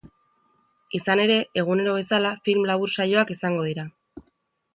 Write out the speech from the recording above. Izan ere, egunero bezala film labur saioak izango dira.